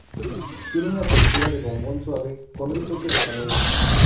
Tienen una textura de bombón suave con un toque de canela.